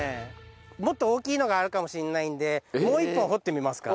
もっと大きいのがあるかもしれないのでもう１本掘ってみますか。